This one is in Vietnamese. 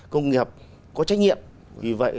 công nghiệp có trách nhiệm vì vậy